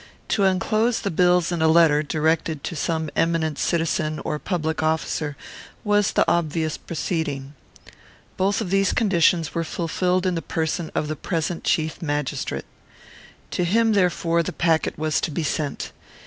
To enclose the bills in a letter, directed to some eminent citizen or public officer, was the obvious proceeding. Both of these conditions were fulfilled in the person of the present chief magistrate. To him, therefore, the packet was to be sent.